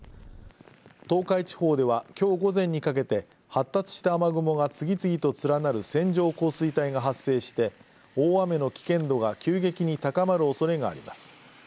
東海地方ではきょう午前にかけて発達した雨雲が次々と連なる線状降水帯が発生して大雨の危険度が急激に高まるおそれがあります。